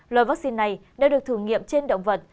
loại vắc xin này đã được thử nghiệm trên động vật